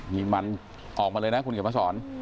นี่มันออกมาเลยนะคุณเขียนมาสอน